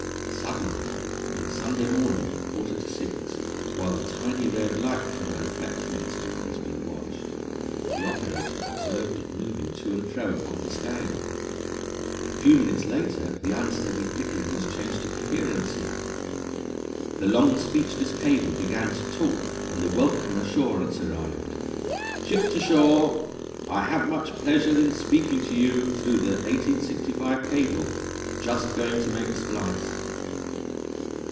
Suddenly, on a Sunday morning at a quarter to six, while the tiny ray of light from the reflecting instrument was being watched, the operator observed it moving to and fro upon the scale. A few minutes later the unsteady flickering was changed to coherency. The long speechless cable began to talk, and the welcome assurance arrived, "Ship to shore; I have much pleasure in speaking to you through the 1865 cable. Just going to make splice."